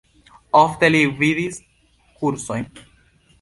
Ofte li gvidis kursojn.